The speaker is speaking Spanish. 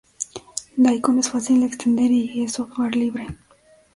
Daikon es fácil de extender y es software libre